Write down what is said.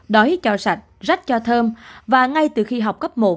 đói cho sạch rách cho thơm và ngay từ khi học cấp một